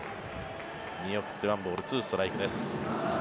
見送って１ボール２ストライクです。